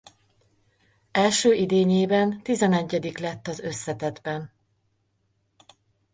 Első idényében tizenegyedik lett az összetettben.